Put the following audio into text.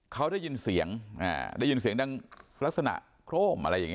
เขาได้ยินเสียงดังลักษณะโคร่ม